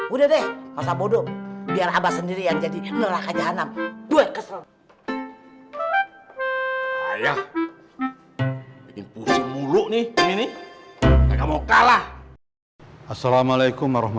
urusan cash box ini yang udah jadi fitnah sama orang